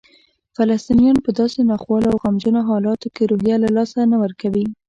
فلسطینیان په داسې ناخوالو او غمجنو حالاتو کې روحیه له لاسه نه ورکوي.